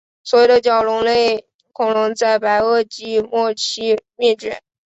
所有的角龙类恐龙在白垩纪末期灭绝。